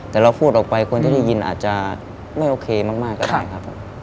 แต่เราพูดออกไปคนที่ได้ยินอาจจะไม่โอเคมากก็ได้ครับ